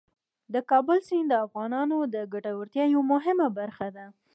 د کابل سیند د افغانانو د ګټورتیا یوه مهمه برخه ده.